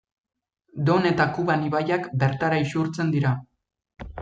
Don eta Kuban ibaiak bertara isurtzen dira.